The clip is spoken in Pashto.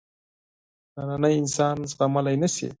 نننی انسان زغملای نه شي.